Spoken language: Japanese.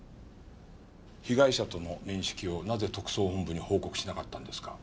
被害者との面識をなぜ特捜本部に報告しなかったんですか？